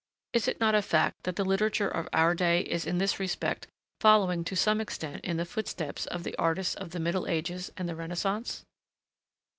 Is it not a fact that the literature of our day is in this respect following to some extent in the footsteps of the artists of the Middle Ages and the Renaissance?